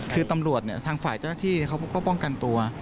คือตำรวจเนี่ยทางฝ่ายเจ้าหน้าที่เขาก็ป้องกันตัว